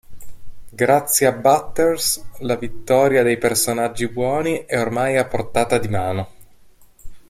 Grazie a Butters, la vittoria dei personaggi buoni è ormai a portata di mano.